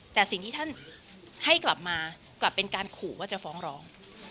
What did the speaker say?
แต่สิ่งที่ท่านให้กลับมากลับเป็นการขู่ว่าจะฟ้องร้อง